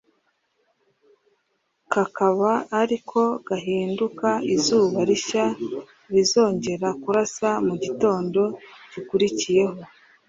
kakaba ariko gahinduka izuba rishya rizongera kurasa mu gitondo gikurikiyeho